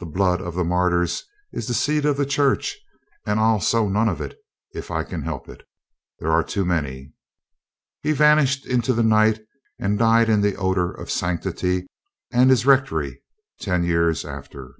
The blood of the martyrs is the seed of the church, and I'll sow none if I can help it. There are too many." He vanished into the night and died in the odor of sanctity and his rectory ten years after.